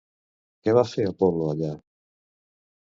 Què va fer Apol·lo allà?